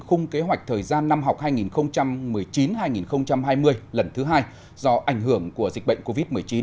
khung kế hoạch thời gian năm học hai nghìn một mươi chín hai nghìn hai mươi lần thứ hai do ảnh hưởng của dịch bệnh covid một mươi chín